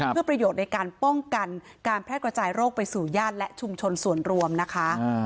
เพื่อประโยชน์ในการป้องกันการแพร่กระจายโรคไปสู่ญาติและชุมชนส่วนรวมนะคะ